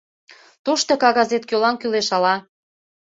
— Тошто кагазет кӧлан кӱлеш, ала.